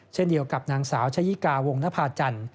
เช่นเดียวกับนางสาวชะยิกาวงนภาจันทร์